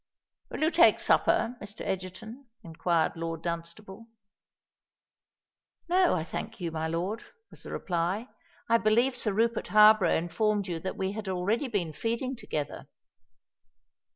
"Will you take supper, Mr. Egerton?" inquired Lord Dunstable. "No, I thank you, my lord," was the reply. "I believe Sir Rupert Harborough informed you that we had already been feeding together."